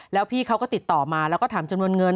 แล้วพี่เขาก็ติดต่อมาแล้วก็ถามจำนวนเงิน